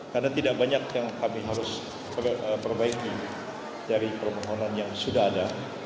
karena tidak banyak yang kami harus perbaiki dari permohonan yang sudah ada